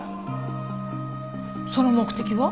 その目的は？